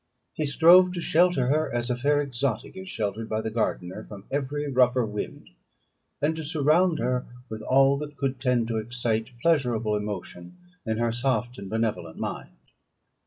He strove to shelter her, as a fair exotic is sheltered by the gardener, from every rougher wind, and to surround her with all that could tend to excite pleasurable emotion in her soft and benevolent mind.